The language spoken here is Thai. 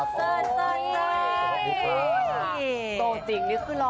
สวัสดีครับ